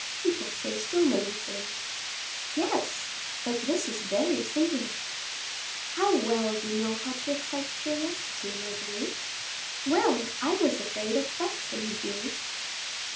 "People say so many things." "Yes, but this is very singular." "How well you know how to excite curiosity, Marguerite." "Well, I was afraid of vexing you."